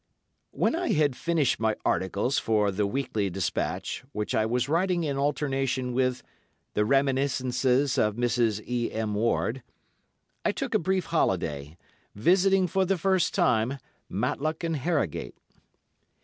When I had finished my articles for "The Weekly Despatch," which I was writing in alternation with "The Reminiscences of Mrs. E. M. Ward," I took a brief holiday, visiting for the first time Matlock and Harrogate.